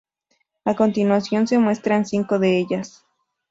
A continuación se muestran cinco de ellas.